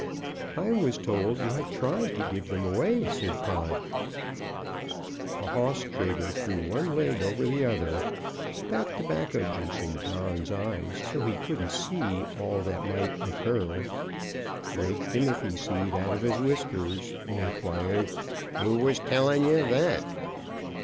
"I was told you have tried to give them away," said Pod. The "hoss trader" threw one leg over the other, spat tobacco juice in Don's eyes so he couldn't see all that might a cur, raked timothy seed out of his whiskers, and inquired, "Who was tellin' ye that?"